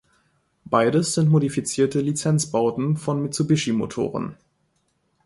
Beides sind modifizierte Lizenzbauten von Mitsubishi-Motoren.